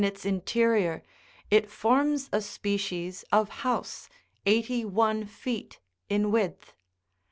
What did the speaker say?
105 interior, it forms a species of house eighty one feet in width.